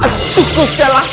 tukus dia lah